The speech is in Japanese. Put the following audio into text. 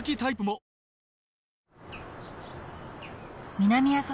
南阿蘇